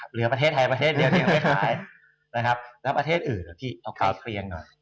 เหลือประเทศไทยประเทศเดียวที่ยังไม่ขายแล้วประเทศอื่นหรือที่เอาใกล้เคียงหน่อย